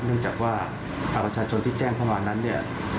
เนื่องจากว่าประชาชนที่แจ้งเข้ามานั้นเนี่ย